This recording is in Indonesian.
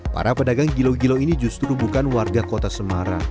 para pedagang gilo gilo ini justru bukan warga kota semarang